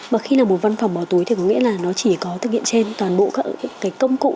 mà khi là một văn phòng bỏ túi thì có nghĩa là nó chỉ có thực hiện trên toàn bộ các cái công cụ